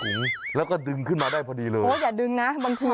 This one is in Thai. โอ้ยอย่าดึงนะบางที